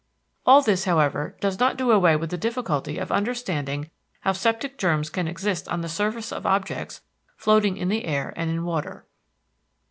All this however does not do away with the difficulty of understanding how septic germs can exist on the surface of objects, floating in the air and in water.